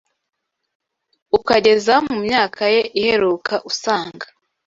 ukageza mu myaka ye iheruka usanga